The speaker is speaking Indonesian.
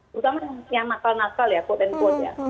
terutama yang nakal nakal ya quote and quote ya